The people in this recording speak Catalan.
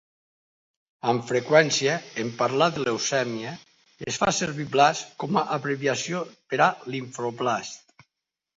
Amb freqüència, en parlar de leucèmia, es fa servir "blast" com a abreviació per a "limfoblast".